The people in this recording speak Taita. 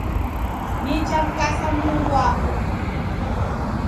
Nichamkasa Mulungu wapo